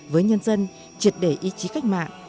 với nhân dân triệt để ý chí cách mạng